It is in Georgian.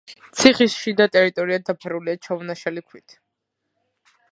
ციხის შიდა ტერიტორია დაფარულია ჩამონაშალი ქვით.